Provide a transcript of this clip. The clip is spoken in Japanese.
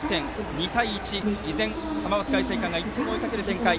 ２対１、依然として浜松開誠館が１点を追いかける展開。